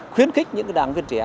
khuyến khích những đảng viên trẻ